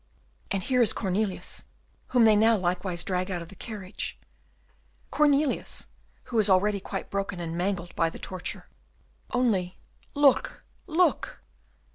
"And here is Cornelius, whom they now likewise drag out of the carriage, Cornelius, who is already quite broken and mangled by the torture. Only look, look!"